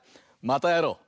またやろう！